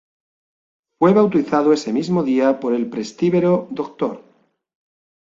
Fue bautizado ese mismo día por el Presbítero Dr.